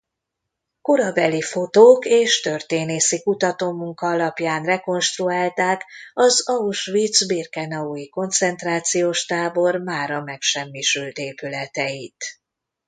Korabeli fotók és történészi kutatómunka alapján rekonstruálták az auschwitz–birkenaui koncentrációs tábor mára megsemmisült épületeit.